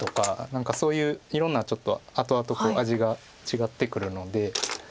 何かそういういろんなちょっとあとあと味が違ってくるので。